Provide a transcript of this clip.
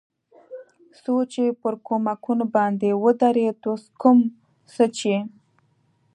څو چې پر کومکونو باندې ودرېد، اوس کوم څه چې.